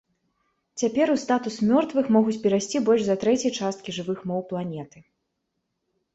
Цяпер у статус мёртвых могуць перайсці больш за трэцяй часткі жывых моў планеты.